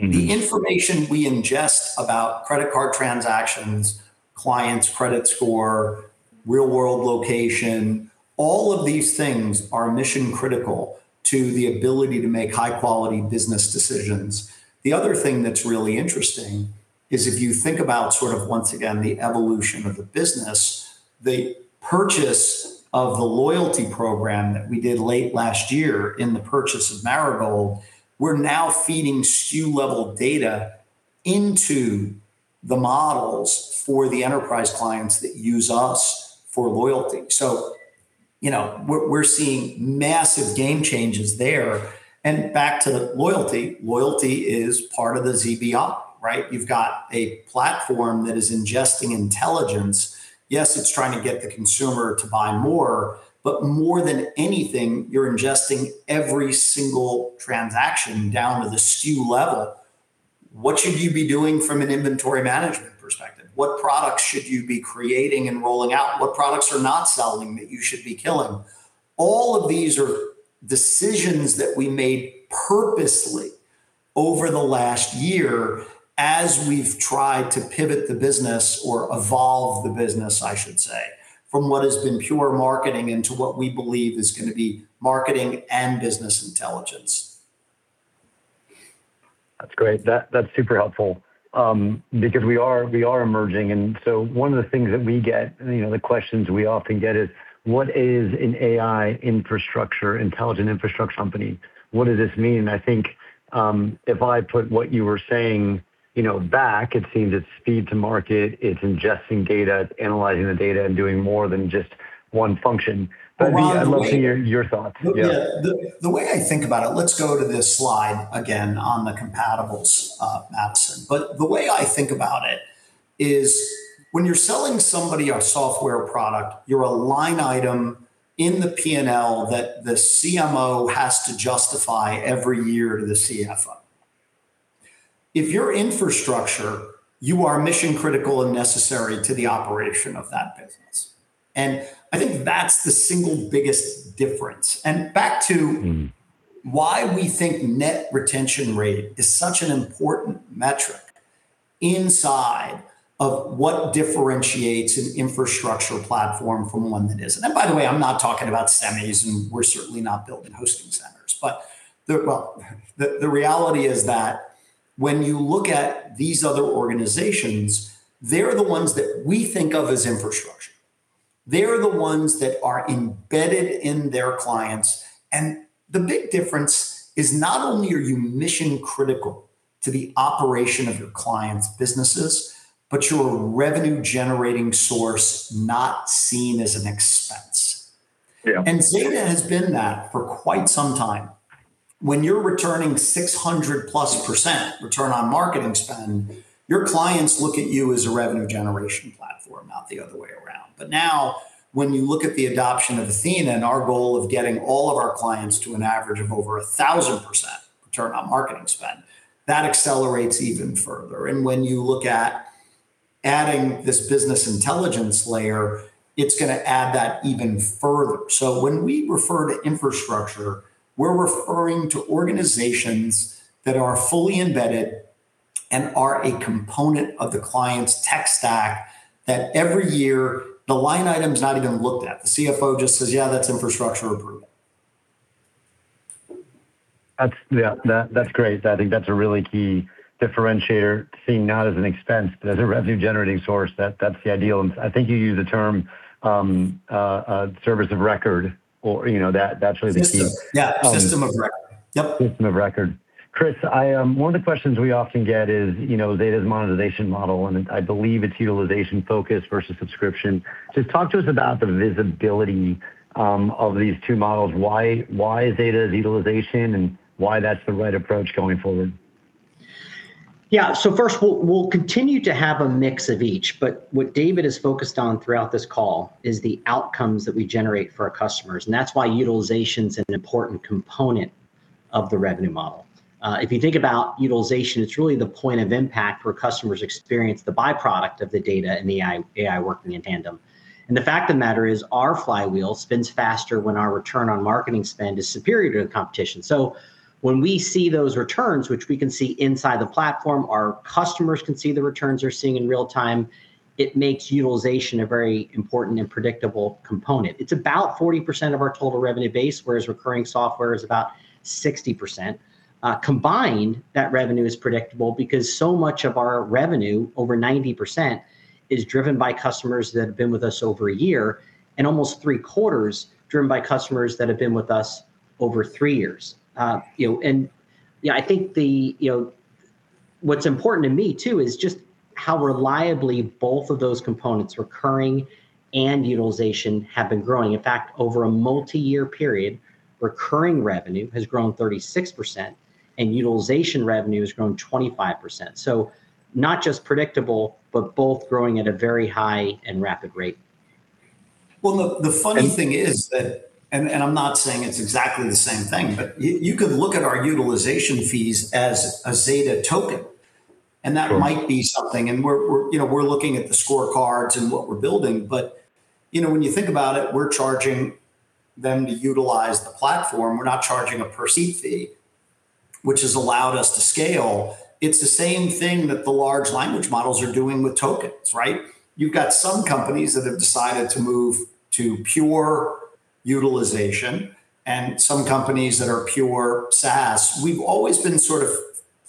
The information we ingest about credit card transactions, clients' credit score, real-world location, all of these things are mission critical to the ability to make high-quality business decisions. The other thing that's really interesting is if you think about once again, the evolution of the business, the purchase of the loyalty program that we did late last year in the purchase of Marigold, we're now feeding SKU level data into the models for the enterprise clients that use us for loyalty. We're seeing massive game changes there. Back to the loyalty. Loyalty is part of the ZBI, right? You've got a platform that is ingesting intelligence. Yes, it's trying to get the consumer to buy more, but more than anything, you're ingesting every single transaction down to the SKU level. What should you be doing from an inventory management perspective? What products should you be creating and rolling out? What products are not selling that you should be killing? All of these are decisions that we made purposely over the last year as we've tried to pivot the business or evolve the business, I should say, from what has been pure marketing into what we believe is going to be marketing and business intelligence. That's great. That's super helpful. We are emerging and one of the things that we get, the questions we often get, is what is an AI infrastructure, intelligent infrastructure company? What does this mean? I think, if I put what you were saying back, it seems it's speed to market, it's ingesting data, it's analyzing the data and doing more than just one function. I'd love to hear your thoughts. Yeah. The way I think about it, let's go to this slide again on the compatibles, Madison. The way I think about it is when you're selling somebody a software product, you're a line item in the P&L that the CMO has to justify every year to the CFO. If you're infrastructure, you are mission critical and necessary to the operation of that business. I think that's the single biggest difference. Why we think net retention rate is such an important metric inside of what differentiates an infrastructure platform from one that isn't. By the way, I'm not talking about semis, and we're certainly not building hosting centers. Well, the reality is that when you look at these other organizations, they're the ones that we think of as infrastructure. They're the ones that are embedded in their clients. The big difference is not only are you mission critical to the operation of your clients' businesses, but you're a revenue-generating source, not seen as an expense. Yeah. Zeta has been that for quite some time. When you're returning 600-plus % return on marketing spend, your clients look at you as a revenue generation platform, not the other way around. Now, when you look at the adoption of Athena and our goal of getting all of our clients to an average of over 1,000% return on marketing spend, that accelerates even further. When you look at adding this business intelligence layer, it's going to add that even further. When we refer to infrastructure, we're referring to organizations that are fully embedded and are a component of the client's tech stack that every year the line item's not even looked at. The CFO just says, "Yeah, that's infrastructure approval. That's great. I think that's a really key differentiator, seeing it not as an expense, but as a revenue-generating source. That's the ideal, and I think you used the term, service of record, or that's really the key. System. Yeah. System of record. Yep. System of record. Chris, one of the questions we often get is Zeta's monetization model. I believe it's utilization-focused versus subscription. Talk to us about the visibility of these two models. Why Zeta is utilization, and why that's the right approach going forward. Yeah. First, we'll continue to have a mix of each, but what David is focused on throughout this call is the outcomes that we generate for our customers. That's why utilization's an important component of the revenue model. If you think about utilization, it's really the point of impact where customers experience the byproduct of the data and the AI working in tandem. The fact of the matter is, our flywheel spins faster when our return on marketing spend is superior to the competition. When we see those returns, which we can see inside the platform, our customers can see the returns they're seeing in real time, it makes utilization a very important and predictable component. It's about 40% of our total revenue base, whereas recurring software is about 60%. Combined, that revenue is predictable because so much of our revenue, over 90%, is driven by customers that have been with us over a year, and almost three-quarters driven by customers that have been with us over three years. I think what's important to me, too, is just how reliably both of those components, recurring and utilization, have been growing. In fact, over a multi-year period, recurring revenue has grown 36%, and utilization revenue has grown 25%. Not just predictable, but both growing at a very high and rapid rate. Well, look, the funny thing is that, I'm not saying it's exactly the same thing, but you could look at our utilization fees as a Zeta token. That might be something. We're looking at the scorecards and what we're building, but when you think about it, we're charging them to utilize the platform. We're not charging a per-seat fee, which has allowed us to scale. It's the same thing that the large language models are doing with tokens, right? You've got some companies that have decided to move to pure utilization and some companies that are pure SaaS. We've always been sort of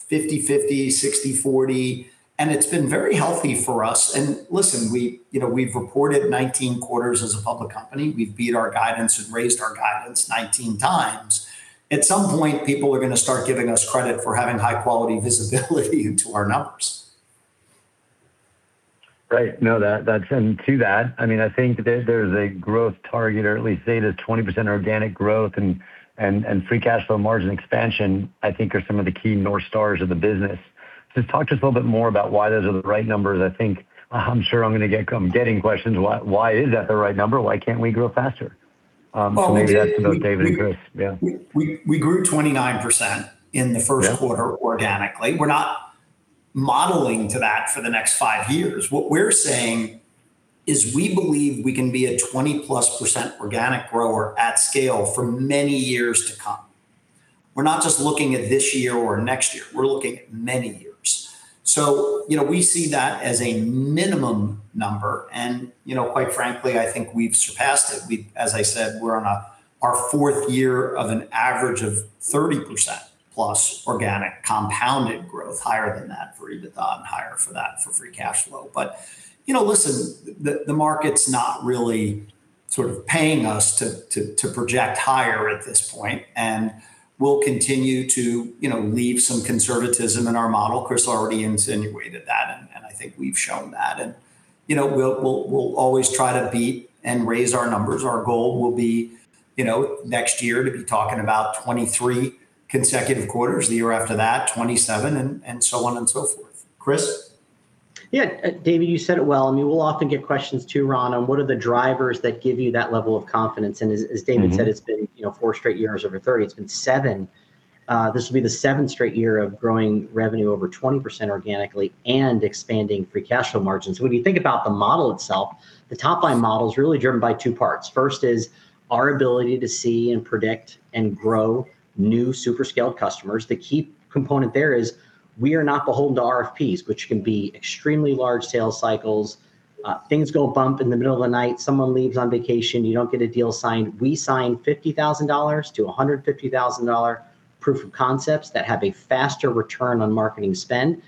50/50, 60/40. It's been very healthy for us. Listen, we've reported 19 quarters as a public company. We've beat our guidance and raised our guidance 19x. At some point, people are going to start giving us credit for having high-quality visibility into our numbers. Right. No, to that, I think there's a growth target, or at least Zeta's 20% organic growth and free cash flow margin expansion, I think are some of the key north stars of the business. Talk to us a little bit more about why those are the right numbers. I'm sure I'm going to come getting questions. Why is that the right number? Why can't we grow faster? Maybe that's about David and Chris. Yeah. We grew 29% in the Q1 organically. We're not modeling to that for the next five years. What we're saying is we believe we can be a 20%-plus organic grower at scale for many years to come. We're not just looking at this year or next year. We're looking at many years. We see that as a minimum number, and quite frankly, I think we've surpassed it. As I said, we're on our fourth year of an average of 30%-plus organic compounded growth, higher than that for EBITDA and higher for that for free cash flow. Listen, the market's not really paying us to project higher at this point, and we'll continue to leave some conservatism in our model. Chris already insinuated that, and I think we've shown that, and we'll always try to beat and raise our numbers. Our goal will be, next year, to be talking about 23 consecutive quarters, the year after that, 27, so on and so forth. Chris? Yeah, David, you said it well. We will often get questions, too, Ron Josey, on what are the drivers that give you that level of confidence? As David said, it's been four straight years over 30%. This will be the seventh straight year of growing revenue over 20% organically and expanding free cash flow margins. When you think about the model itself, the top-line model's really driven by two parts. First is our ability to see and predict and grow new super scaled customers. The key component there is we are not beholden to RFPs, which can be extremely large sales cycles. Things go bump in the middle of the night. Someone leaves on vacation. You don't get a deal signed. We sign $50,000-$150,000 proof of concepts that have a faster return on marketing spend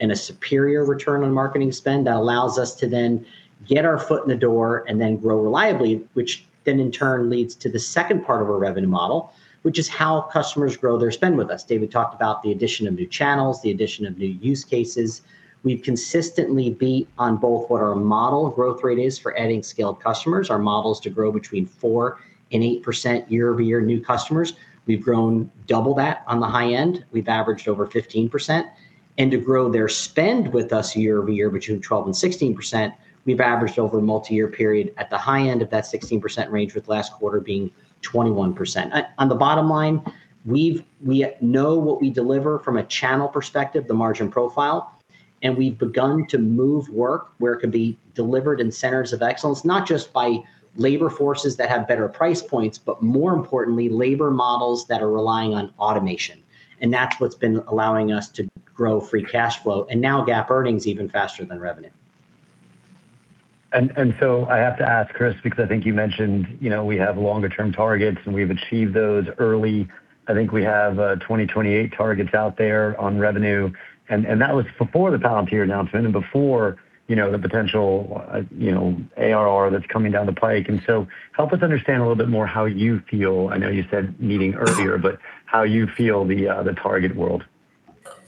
and a superior return on marketing spend that allows us to then get our foot in the door and then grow reliably. Which then, in turn, leads to the second part of our revenue model, which is how customers grow their spend with us. David talked about the addition of new channels, the addition of new use cases. We've consistently beat on both what our model growth rate is for adding scaled customers. Our model is to grow between four percent and eight percent year-over-year new customers. We've grown double that on the high end. We've averaged over 15%. To grow their spend with us year-over-year between 12%-16%, we've averaged over a multi-year period at the high end of that 16% range, with last quarter being 21%. On the bottom line, we know what we deliver from a channel perspective, the margin profile. We've begun to move work where it can be delivered in centers of excellence, not just by labor forces that have better price points, but more importantly, labor models that are relying on automation. That's what's been allowing us to grow free cash flow, and now GAAP earnings even faster than revenue. I have to ask, Chris, because I think you mentioned we have longer-term targets, and we've achieved those early. I think we have 2028 targets out there on revenue, and that was before the Palantir announcement and before the potential ARR that's coming down the pike. Help us understand a little bit more how you feel, I know you said meeting earlier, but how you feel the target world.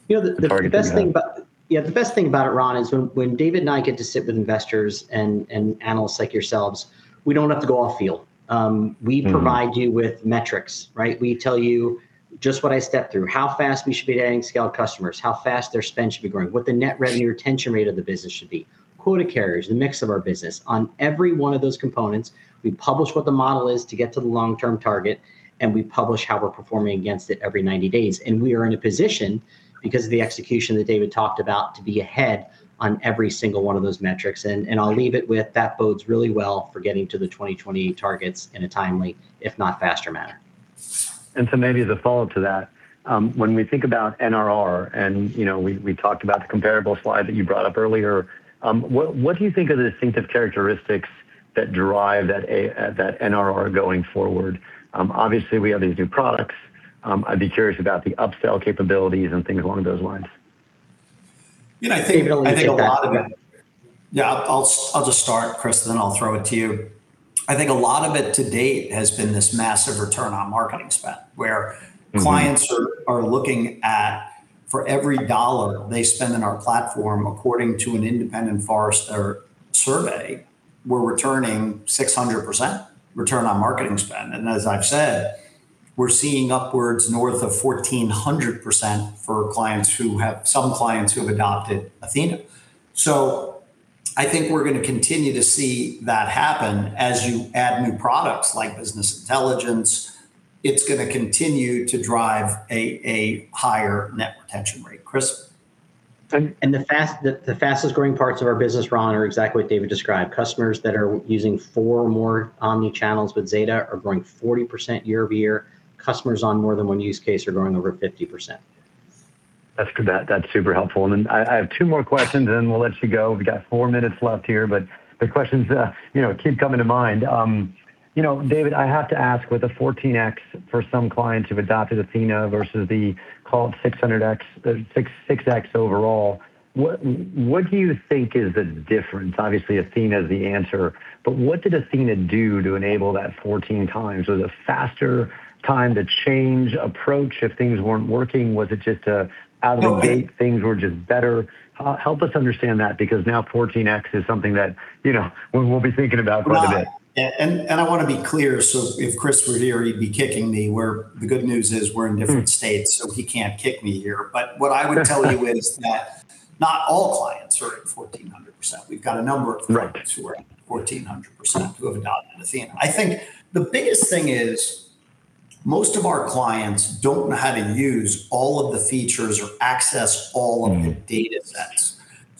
The best thing about The target you have The best thing about it, Ron, is when David and I get to sit with investors and analysts like yourselves, we don't have to go off-field. We provide you with metrics. We tell you just what I stepped through, how fast we should be adding scale customers, how fast their spend should be growing, what the net revenue retention rate of the business should be, quota carriers, the mix of our business. On every one of those components, we publish what the model is to get to the long-term target. We publish how we're performing against it every 90 days. We are in a position, because of the execution that David talked about, to be ahead on every single one of those metrics. I'll leave it with that bodes really well for getting to the 2028 targets in a timely, if not faster, manner. Maybe the follow-up to that, when we think about NRR, and we talked about the comparable slide that you brought up earlier, what do you think are the distinctive characteristics that drive that NRR going forward? Obviously, we have these new products. I'd be curious about the upsell capabilities and things along those lines. David will hit a lot of it. I'll just start, Chris, then I'll throw it to you. I think a lot of it to date has been this massive return on marketing spend, where clients- Are looking at, for every dollar they spend on our platform, according to an independent Forrester survey, we're returning 600% return on marketing spend. As I've said, we're seeing upwards north of 1,400% for some clients who have adopted Athena. I think we're going to continue to see that happen as you add new products like Business Intelligence. It's going to continue to drive a higher net retention rate. Chris? The fastest-growing parts of our business, Ron, are exactly what David described. Customers that are using four or more omnichannels with Zeta are growing 40% year-over-year. Customers on more than one use case are growing over 50%. That's good. That's super helpful. I have two more questions, and we'll let you go. We've got four minutes left here, but the questions keep coming to mind. David, I have to ask, with the 14x for some clients who've adopted Athena versus the call it 6x overall, what do you think is the difference? Obviously, Athena is the answer, but what did Athena do to enable that 14x? Was it faster time to change approach if things weren't working? Was it just out of the gate? Go ahead Were things just better? Help us understand that, because now 14x is something that we'll be thinking about quite a bit. Ron Josey, I want to be clear. If Chris were here, he'd be kicking me. The good news is we're in different states, so he can't kick me here. What I would tell you is that not all clients are at 1,400%. We've got a number of clients- Right who are at 1,400% who have adopted Athena. I think the biggest thing is most of our clients don't know how to use all of the features or access all of the data sets.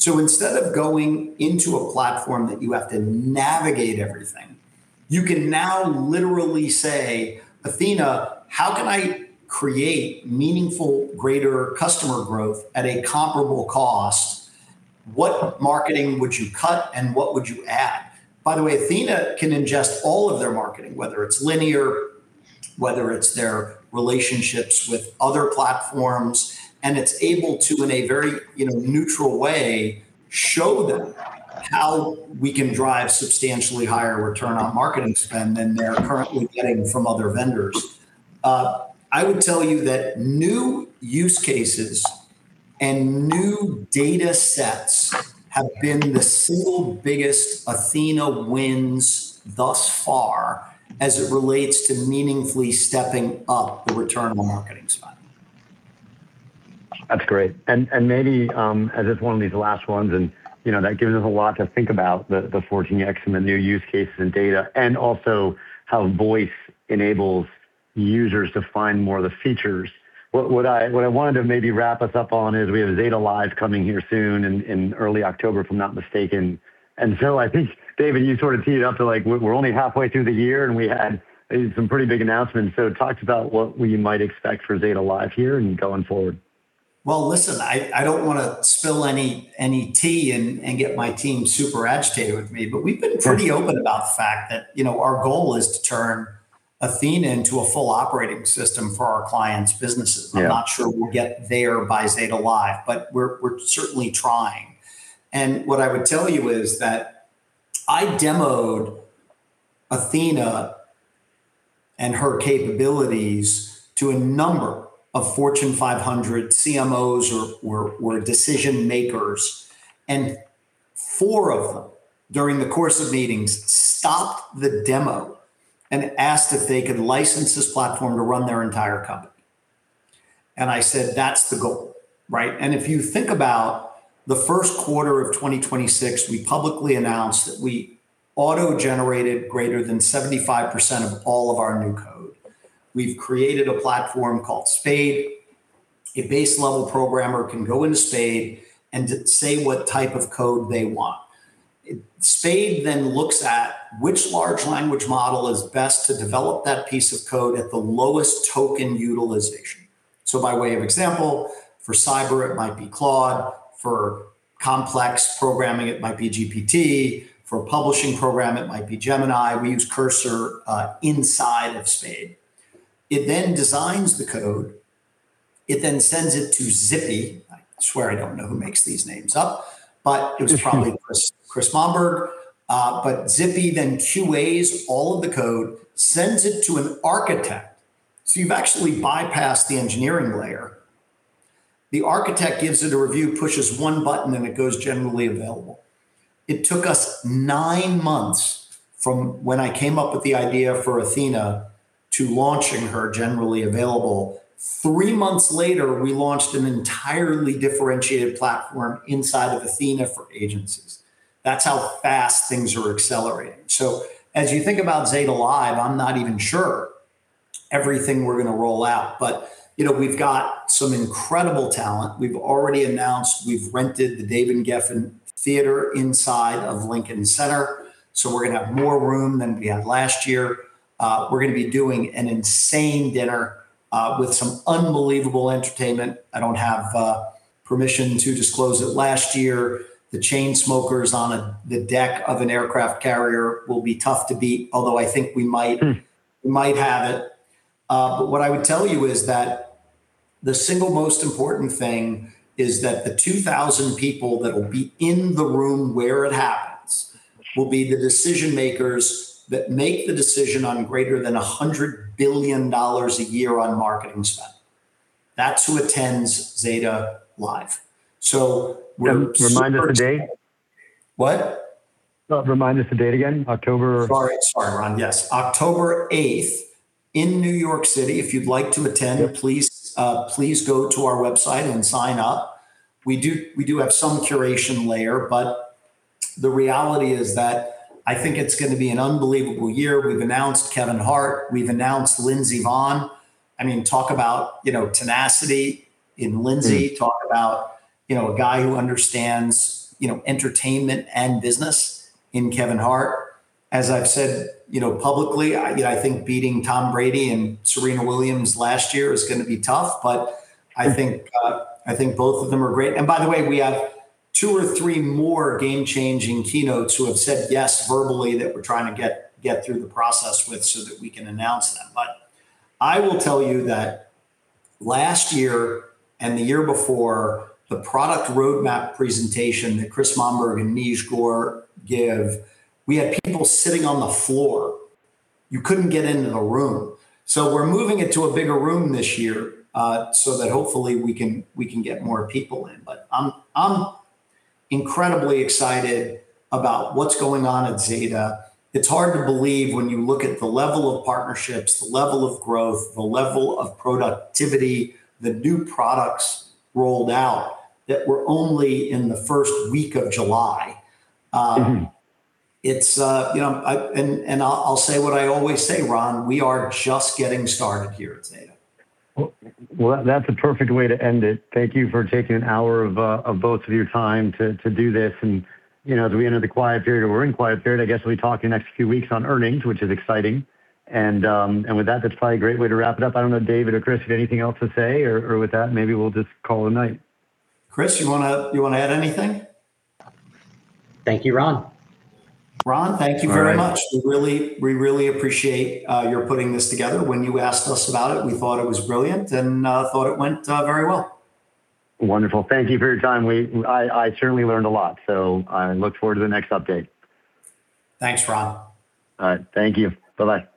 Instead of going into a platform that you have to navigate everything, you can now literally say, "Athena, how can I create meaningful, greater customer growth at a comparable cost? What marketing would you cut, and what would you add?" By the way, Athena can ingest all of their marketing, whether it's linear, whether it's their relationships with other platforms, and it's able to, in a very neutral way, show them how we can drive substantially higher return on marketing spend than they're currently getting from other vendors. I would tell you that new use cases and new data sets have been the single biggest Athena wins thus far from it relates to meaningfully stepping up the return on marketing spend. That's great. Maybe, as it's one of these last ones, that gives us a lot to think about, the 14x and the new use cases and data, and also how voice enables users to find more of the features. What I wanted to maybe wrap us up on is we have ZetaLive coming here soon in early October, if I'm not mistaken. I think, David, you sort of teed it up to we're only halfway through the year, and we had some pretty big announcements. Talk to us about what we might expect for ZetaLive here and going forward. Well, listen, I don't want to spill any tea and get my team super agitated with me, but we've been pretty open about the fact that our goal is to turn Athena into a full operating system for our clients' businesses. Yeah. I'm not sure we'll get there by Zeta Live, but we're certainly trying. What I would tell you is that I demoed Athena and her capabilities to a number of Fortune 500 CMOs or decision-makers, and four of them, during the course of meetings, stopped the demo and asked if they could license this platform to run their entire company. I said, "That's the goal." If you think about the Q1 of 2026, we publicly announced that we auto-generated greater than 75% of all of our new code. We've created a platform called Spade. A base-level programmer can go into Spade and say what type of code they want. Spade then looks at which large language model is best to develop that piece of code at the lowest token utilization. By way of example, for cyber, it might be Claude. For complex programming, it might be GPT. For a publishing program, it might be Gemini. We use Cursor inside of Spade. It then designs the code. It then sends it to Zippy. I swear I don't know who makes these names up, but it was probably Chris Monberg. Zippy then QAs all of the code, sends it to an architect, so you've actually bypassed the engineering layer. The architect gives it a review, pushes one button, and it goes generally available. It took us nine months from when I came up with the idea for Athena to launching her generally available. Three months later, we launched an entirely differentiated platform inside of Athena for agencies. That's how fast things are accelerating. As you think about Zeta Live, I'm not even sure everything we're going to roll out, but we've got some incredible talent. We've already announced we've rented the David Geffen Theater inside of Lincoln Center, so we're going to have more room than we had last year. We're going to be doing an insane dinner with some unbelievable entertainment. I don't have permission to disclose it. Last year, the chainsmokers on the deck of an aircraft carrier will be tough to beat, although I think we might have it. What I would tell you is that the single most important thing is that the 2,000 people that'll be in the room where it happens will be the decision-makers that make the decision on greater than $100 billion a year on marketing spend. That's who attends Zeta Live. We're super- Remind us the date? What? Remind us the date again. October Sorry, Ron. Yes, October 8th in New York City. If you'd like to attend, please go to our website and sign up. We do have some curation layer, but the reality is that I think it's going to be an unbelievable year. We've announced Kevin Hart. We've announced Lindsey Vonn. Talk about tenacity in Lindsey. Talk about a guy who understands entertainment and business in Kevin Hart. By the way, as I've said publicly, I think beating Tom Brady and Serena Williams last year is going to be tough, but I think both of them are great. We have two or three more game-changing keynotes who have said yes verbally that we're trying to get through the process with that we can announce them. I will tell you that last year and the year before, the product roadmap presentation that Chris Monberg and Meesh Gore give, we had people sitting on the floor. You couldn't get into the room. We're moving it to a bigger room this year, that hopefully we can get more people in. I'm incredibly excited about what's going on at Zeta. It's hard to believe when you look at the level of partnerships, the level of growth, the level of productivity, the new products rolled out, that we're only in the first week of July. I'll say what I always say, Ron. We are just getting started here at Zeta. Well, that's a perfect way to end it. Thank you for taking an hour of both of your time to do this. As we enter the quiet period, or we're in quiet period, I guess we'll talk in the next few weeks on earnings, which is exciting. With that's probably a great way to wrap it up. I don't know, David or Chris, if you have anything else to say, or with that, maybe we'll just call it a night. Chris, you want to add anything? Thank you, Ron. Ron, thank you very much. All right. We really appreciate your putting this together. When you asked us about it, we thought it was brilliant and thought it went very well. Wonderful. Thank you for your time. I certainly learned a lot. I look forward to the next update. Thanks, Ron. All right. Thank you. Bye-bye.